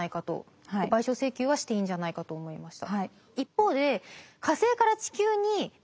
賠償請求はしていいんじゃないかと思いました。